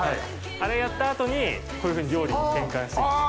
あれやった後にこういうふうに料理に転換して行って。